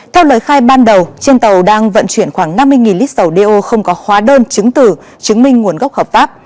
theo lời khai ban đầu trên tàu đang vận chuyển khoảng năm mươi lít dầu đeo không có hóa đơn chứng tử chứng minh nguồn gốc hợp pháp